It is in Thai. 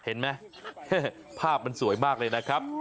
เห็นไหมภาพมันสวยมากเลยนะครับ